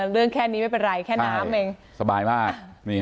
แค่นี้ไม่เป็นไรแค่น้ำเองสบายมาก